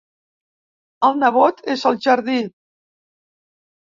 El nebot és al jardí.